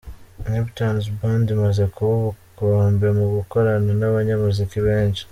Neptunez Band imaze kuba ubukombe mu gukorana n’abanyamuziki benshi:.